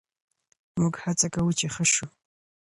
موږ هڅه کوو چې ښه شو.